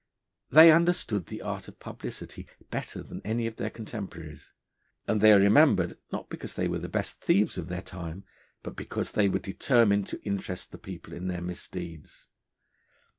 They understood the art of publicity better than any of their contemporaries, and they are remembered not because they were the best thieves of their time, but because they were determined to interest the people in their misdeeds.